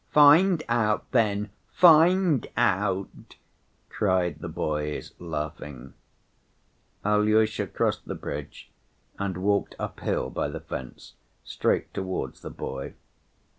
"Find out then, find out," cried the boys, laughing. Alyosha crossed the bridge and walked uphill by the fence, straight towards the boy.